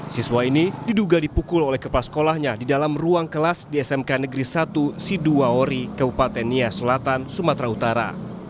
siswa ini diduga dipukul oleh kepala sekolahnya di dalam ruang kelas di smk negeri satu siduaori kabupaten nia selatan sumatera utara